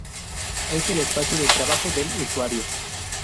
Es el espacio de trabajo del usuario.